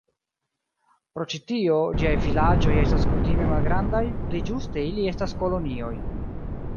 Pro ĉi tio, ĝiaj vilaĝoj estas kutime malgrandaj, pli ĝuste ili estas kolonioj.